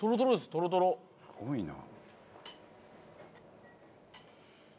すごいな。